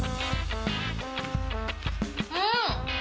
うん！